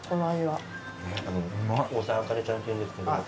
あの大沢あかねちゃんっていうんですけど。